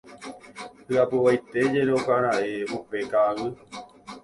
Hyapuvaipaitéjekoraka'e upe ka'aguy.